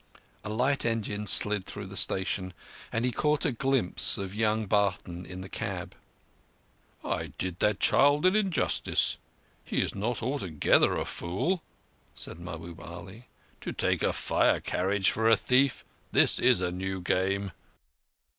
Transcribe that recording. A light engine slid through the station, and he caught a glimpse of young Barton in the cab. "I did that child an injustice. He is not altogether a fool," said Mahbub Ali. "To take a fire carriage for a thief is a new game!"